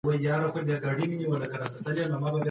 په کور کي بې ځایه خبري نه کېږي.